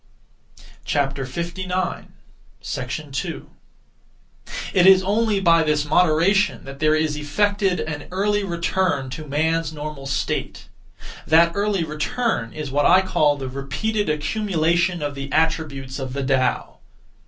2. It is only by this moderation that there is effected an early return (to man's normal state). That early return is what I call the repeated accumulation of the attributes (of the Tao).